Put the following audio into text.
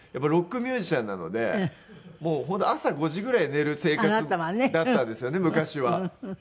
ロックミュージシャンなのでもう本当朝５時ぐらいに寝る生活だったんですよね昔は。